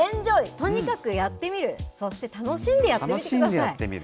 とにかくやってみる、そして楽しんでやってみる。